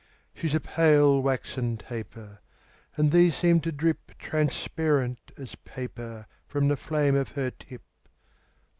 She's a pale, waxen taper; And these seem to drip Transparent as paper From the flame of her tip.